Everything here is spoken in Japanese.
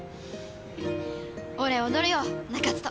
俺踊るよ中津と。